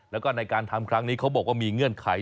แล้วก็ในการทำครั้งนี้เขาบอกว่ามีเงื่อนไข